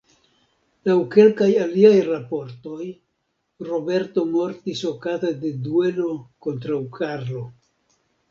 Laŭ kelkaj aliaj raportoj, Roberto mortis okaze de duelo kontraŭ Karlo.